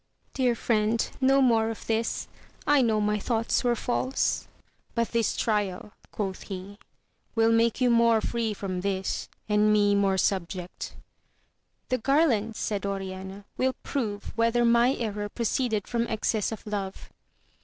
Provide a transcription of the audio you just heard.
— Dear Mend, no more of this, I know my thoughts were false. But this trial, quoth he, will make you more free from this, and me more subject. — ^The garland, said Oriana, will prove whether my error proceeded from excess of love.